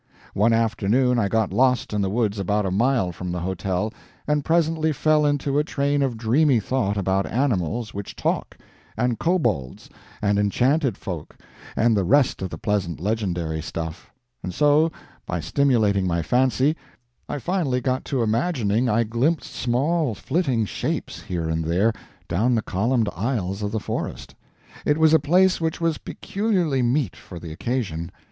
One afternoon I got lost in the woods about a mile from the hotel, and presently fell into a train of dreamy thought about animals which talk, and kobolds, and enchanted folk, and the rest of the pleasant legendary stuff; and so, by stimulating my fancy, I finally got to imagining I glimpsed small flitting shapes here and there down the columned aisles of the forest. It was a place which was peculiarly meet for the occasion.